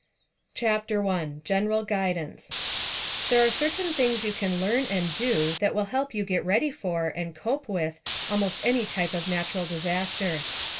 CHAPTER 1 GENERAL GUIDANCE There are certain things you can learn and do that will help you get ready for, and cope with, almost any type of natural disaster.